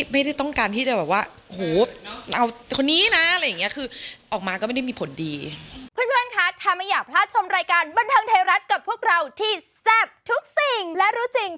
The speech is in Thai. ไม่ได้ต้องการที่จะแบบว่าโหเอาคนนี้นะอะไรอย่างนี้